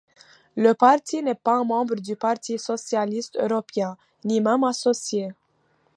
Le parti n'est pas membre du Parti socialiste européen, ni même associé.